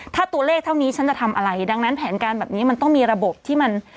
ถ้าตัวเลขเท่านี้ฉันจะทำอะไรดังนั้นแผนการแบบนี้มันต้องมีระบบที่มัน